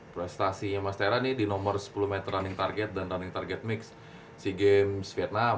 prestasinya mas tera ini di nomor sepuluh meter running target dan running target mix sea games vietnam